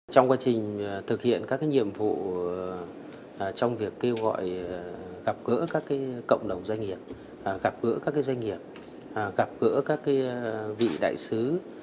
trong quá trình thực hiện các nhiệm vụ trong việc kêu gọi gặp gỡ các cộng đồng doanh nghiệp gặp gỡ các doanh nghiệp gặp gỡ các vị đại sứ